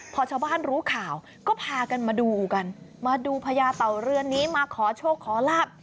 พอชาวบ้านรู้ข่าวก็พากันมาดูกันมาดูพญาเต่าเรือนนี้มาขอโชคขอลาบ